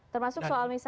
termasuk soal misalnya